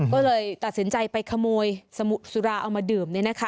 ก็เลยตัดสินใจไปขโมยสมุสุสุราเอามาดื่ม